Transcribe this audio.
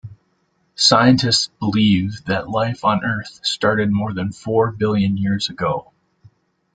Scientists believe that life on Earth started more than four billion years ago